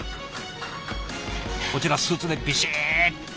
こちらスーツでビシーッと。